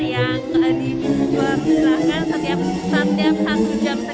yang diperkenalkan setiap satu jam sekali